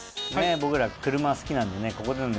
僕ら車好きなんでね